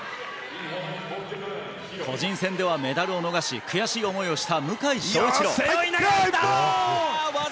個人戦ではメダルを逃し悔しい思いをした向翔一郎。